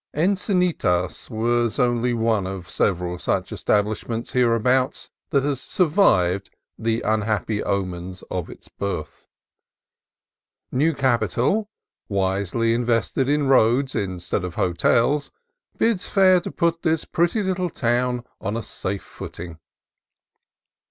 Encinitas is the only one of several such settlements hereabouts that has sur vived the unhappy omens of its birth. New capital, wisely invested in roads instead of hotels, bids fair to put this pretty little town on a safe footing.